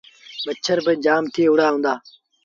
مڇر با جآم ٿئي وُهڙآ هُݩدآ۔